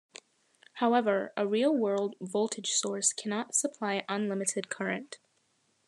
However, a real-world voltage source cannot supply unlimited current.